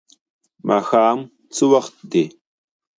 ماښام څه وخت دی؟